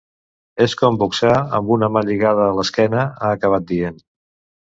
És com boxar amb una mà lligada a l’esquena, ha acabat dient.